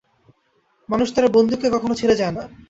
মানুষ তার বন্ধুকে কখনো ছেড়ে যায় না।